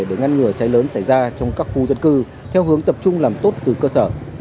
để ngăn ngừa cháy lớn xảy ra trong các khu dân cư theo hướng tập trung làm tốt từ cơ sở